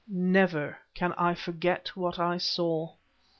Never can I forget what I saw.